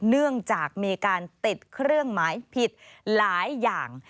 เนื่องจากมีการติดเครื่องหมายผิดหลายอย่าง